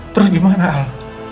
terus gimana al